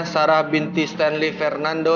sarah binti stanley fernando